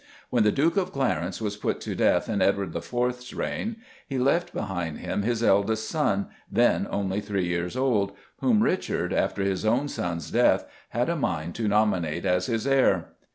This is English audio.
When the Duke of Clarence was put to death in Edward IV.'s reign, he left behind him his eldest son, then only three years old, whom Richard, after his own son's death, had a mind to nominate as his heir.